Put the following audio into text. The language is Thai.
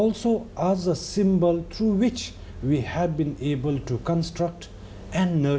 และมีสิ่งสำคัญที่สำคัญในสถานการณ์นี้